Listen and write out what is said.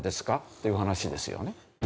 っていう話ですよね。